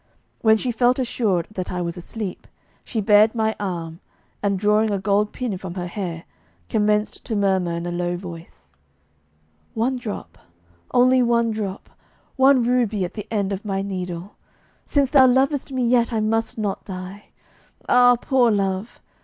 When she felt assured that I was asleep, she bared my arm, and drawing a gold pin from her hair, commenced to murmur in a low voice: 'One drop, only one drop! One ruby at the end of my needle.... Since thou lovest me yet, I must not die!... Ah, poor love!